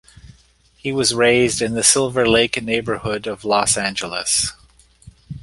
He was raised in the Silver Lake neighborhood of Los Angeles.